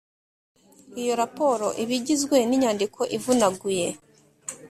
Iyo raporo iba igizwe n inyandiko ivunaguye